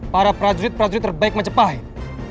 para prajurit prajurit terbaik majapahit